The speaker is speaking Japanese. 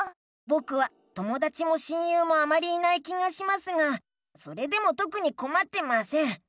ぼくはともだちも親友もあまりいない気がしますがそれでもとくにこまってません。